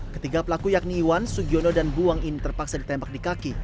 ketiga pelaku yakni iwan sugiono dan buang ini terpaksa ditembak di kaki